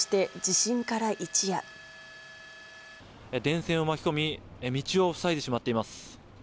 電線を巻き込み、道を塞いでしまっています。